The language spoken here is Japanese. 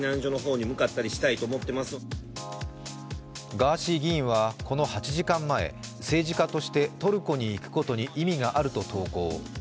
ガーシー議員はこの８時間前、政治家としてトルコに行くことに意味があると投稿。